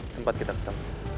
tempat kita ketemu